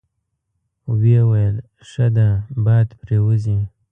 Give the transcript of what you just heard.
ویې ویل: ښه ده، باد پرې وځي.